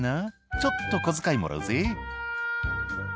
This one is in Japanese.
「ちょっと小遣いもらうぜ」